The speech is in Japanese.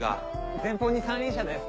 前方に三輪車です。